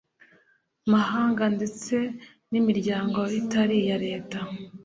Mahanga Ndetse N Imiryango Itari Iya Leta